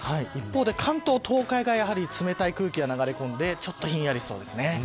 一方で、関東東海がやはり冷たい空気が流れ込んでちょっとひんやりしそうですね。